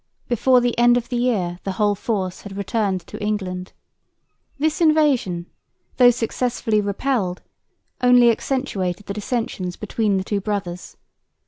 Before the end of the year the whole force had returned to England. This invasion, though successfully repelled, only accentuated the dissensions between the two brothers.